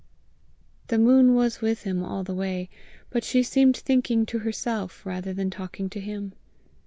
The moon was with him all the way, but she seemed thinking to herself rather than talking to him.